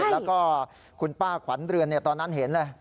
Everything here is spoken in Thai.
แล้วก็คุณป้าขวัญเรือนตอนนั้นเห็นเลย